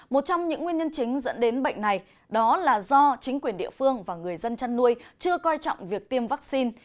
một trong những nguyên nhân chính dẫn đến bệnh này đó là do chính quyền địa phương và người dân chăn nuôi chưa coi trọng việc tiêm vaccine